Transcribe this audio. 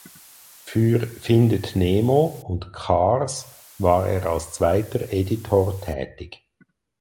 Für "Findet Nemo" und "Cars" war er als zweiter Editor tätig.